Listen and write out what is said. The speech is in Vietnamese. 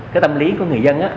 cái tâm lý của người dân